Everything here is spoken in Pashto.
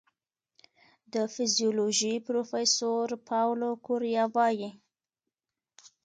د فزیولوژي پروفېسور پاولو کوریا وايي